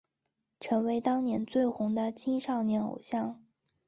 成为当年最红的青少年偶像。